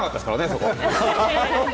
そこ。